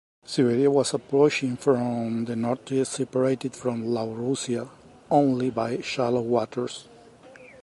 Siberia was approaching from the northeast, separated from Laurussia only by shallow waters.